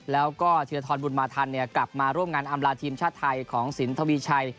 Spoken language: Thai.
แล้วก็ธีรทรบุญมาทันกลับมาร่วมงานอำลาทีมชาติไทยของสินทวีชัย